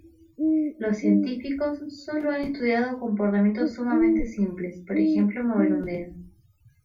Los científicos solo ha estudiado comportamientos sumamente simples, por ejemplo, mover un dedo.